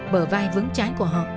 bởi vai vững trái của họ